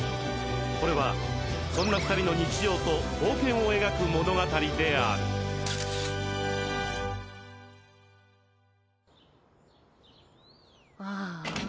これはそんな２人の日常と冒険を描く物語であるああ。